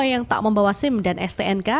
yang tak membawa sim dan stnk